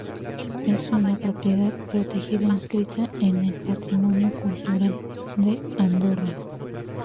Es una propiedad protegida inscrita en el Patrimonio Cultural de Andorra.